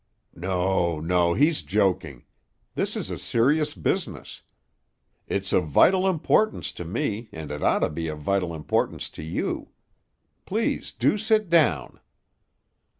"No, no. He's joking. This is a serious business. It's of vital importance to me and it ought to be of vital importance to you. Please do sit down!"